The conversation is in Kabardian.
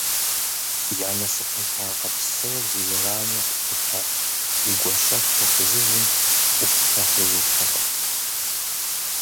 Я насыпыншагъэ псор зи зэрану къилъытэ и гуащэшхуэ фызыжьым ӏуплъэ хъужыртэкъым.